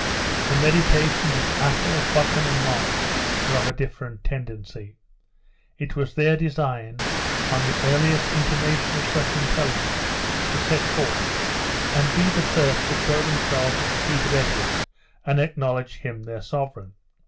The meditations of Athol, Buchan, and March, were of a different tendency. It was their design, on the earliest intimation of such intelligence, to set forth, and be the first to throw themselves at the feet of Edward, and acknowledge him their sovereign.